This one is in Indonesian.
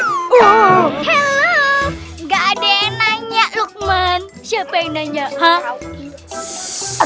halo gak ada yang nanya lukman siapa yang nanya